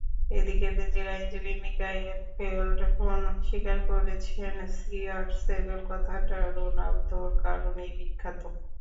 এদিকে রেনজির আইনজীবী মিকায়েল ফেল্ডহুন স্বীকার করেছেন, সিআরসেভেন কথাটা রোনালদোর কারণেই বিখ্যাত।